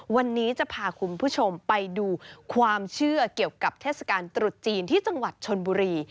วันนี้จะพาคุณผู้ชมไปดูความเชื่อเกี่ยวกับเทศกาลตรุษจีนที่จังหวัดชนบุรี